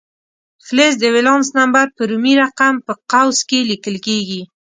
فلز د ولانس نمبر په رومي رقم په قوس کې لیکل کیږي.